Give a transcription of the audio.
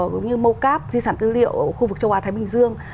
giống như mocap di sản thư liệu khu vực châu á thái bình dương